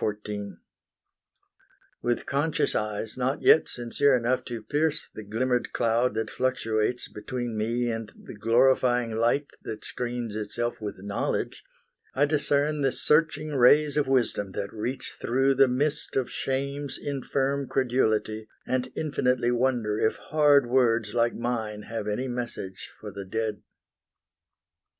XIV With conscious eyes not yet sincere enough To pierce the glimmered cloud that fluctuates Between me and the glorifying light That screens itself with knowledge, I discern The searching rays of wisdom that reach through The mist of shame's infirm credulity, And infinitely wonder if hard words Like mine have any message for the dead.